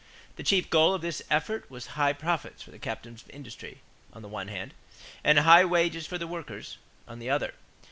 The chief goal of this effort was high profits for the captains of industry, on the one hand; and high wages for the workers, on the other.